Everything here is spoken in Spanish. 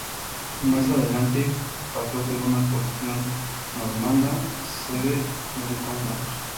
Más adelante pasó a ser una posesión normanda, sede de un condado.